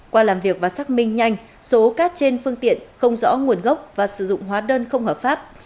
qua làm việc và xác minh nhanh số cát trên phương tiện không rõ nguồn gốc và sử dụng hóa đơn không hợp pháp